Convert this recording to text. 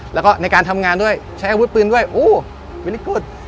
แล้วก็ในการทำงานด้วยใช้อาวุธปืนด้วยโอ้วินิกุฎ